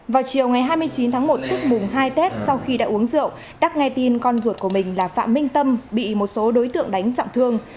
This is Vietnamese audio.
vào chiều ngày hai mươi chín tháng một tức mùng hai tết sau khi đã uống rượu đắc nghe tin con ruột của mình là phạm minh tâm bị một số đối tượng đánh trọng thương